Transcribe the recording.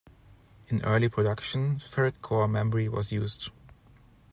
In early production, ferrite core memory was used.